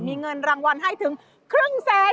มีเงินรางวัลให้ถึงครึ่งแสน